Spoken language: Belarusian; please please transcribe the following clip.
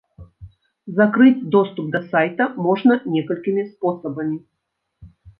Закрыць доступ да сайта можна некалькімі спосабамі.